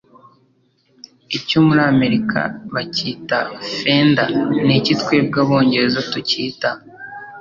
Icyo Muri Amerika Bacyita Fender Niki Twebwe Abongereza tucyita?